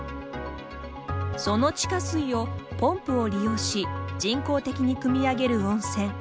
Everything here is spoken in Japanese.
その地下水をポンプを利用し人工的にくみ上げる温泉。